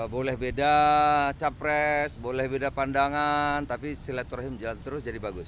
boleh beda capres boleh beda pandangan tapi silaturahim jalan terus jadi bagus